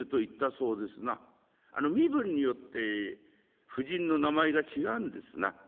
身分によって夫人の名前が違うんですな。